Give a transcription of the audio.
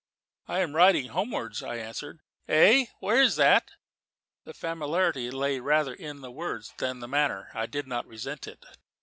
"I am riding homewards," I answered. "Hey? Where is that?" The familiarity lay rather in the words than the manner; and I did not resent it.